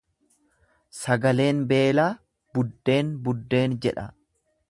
Sagaleen beelaa buddeen, buddeen jedha.